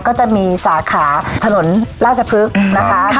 ก็จะมีสาขาถนนราชพฤกษ์นะคะ